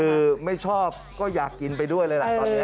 คือไม่ชอบก็อยากกินไปด้วยเลยล่ะตอนนี้